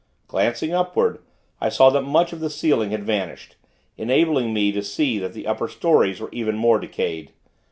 Glancing upward, I saw that much of the ceiling had vanished, enabling me to see that the upper storeys were even more decayed.